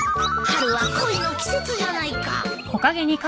春は恋の季節じゃないか。